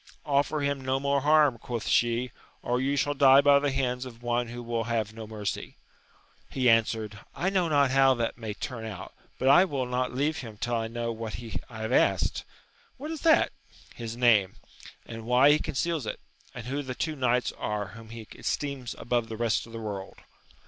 Offer him no more harm, quoth she, or you shall die by the hands of one who will have no mercy. He answered, I know not how that may turn out, but I will not leave him till I know what I have asked. — ^And what is that 1 — His name, and why he conceals it ? and who the two knights are whom he esteems above the rest of the world.